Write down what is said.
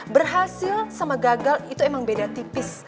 berhasil sama gagal itu emang beda tipis